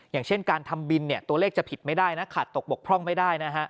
อย่างเช่นการทำบินตัวเลขจะผิดไม่ได้นะขาดตกบกพร่องไม่ได้นะฮะ